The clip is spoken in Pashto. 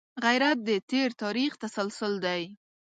غیرت د تېر تاریخ تسلسل دی